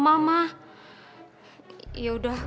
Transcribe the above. kita semua tuh emang juga peduli sama bella sama mama